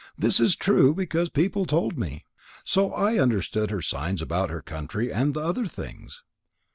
This is true, because people told me. So I understood her signs about her country and the other things."